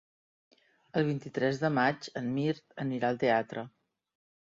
El vint-i-tres de maig en Mirt anirà al teatre.